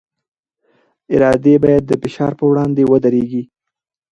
ادارې باید د فشار پر وړاندې ودرېږي